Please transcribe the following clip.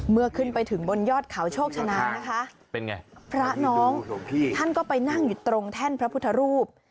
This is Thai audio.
เมื่อขึ้นไปถึงบนยอดเขาโชคชนะนะคะเป็นไงพระน้องท่านก็ไปนั่งอยู่ตรงแท่นพระพุทธรูป